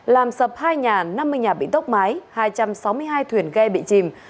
làm sập hai nhà năm mươi nhà bị tốc mái hai trăm sáu mươi hai thuyền ghe bị chìm